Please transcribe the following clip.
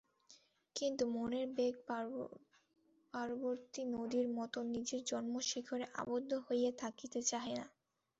কিন্তু মনের বেগ পার্বতী নদীর মতো নিজের জন্মশিখরে আবদ্ধ হইয়া থাকিতে চাহে না।